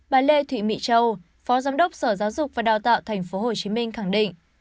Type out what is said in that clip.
bà lê thụy mị châu phó giám đốc sở giáo dục và đào tạo tp hcm khẳng định